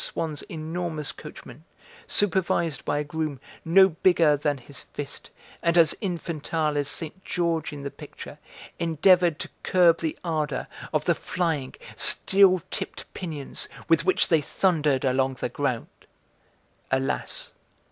Swann's enormous coachman, supervised by a groom no bigger than his fist, and as infantile as Saint George in the picture, endeavoured to curb the ardour of the flying, steel tipped pinions with which they thundered along the ground. Alas!